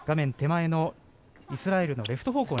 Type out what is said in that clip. イスラエルのレフト方向。